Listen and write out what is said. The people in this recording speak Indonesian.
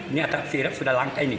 ini atap sirip sudah langka ini